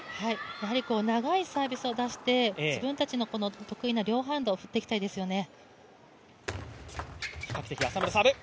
やはり長いサービスを出して、自分たちの得意な両ハンドを振っていきたいですよね。